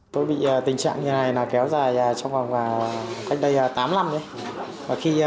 tôi bị tình trạng như thế này kéo dài trong khoảng cách đây tám năm